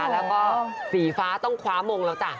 แล้วก็สีฟ้าต้องคว้ามงแล้วจ้ะ